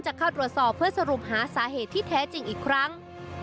จะเข้าตรวจสอบเพื่อสรุปหาสาเหตุที่แท้จริงอีกครั้ง